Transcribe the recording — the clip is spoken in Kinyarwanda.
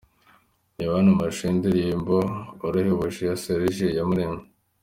Reba hano amashusho y'indirimbo Urahebuje ya Serge Iyamuremye.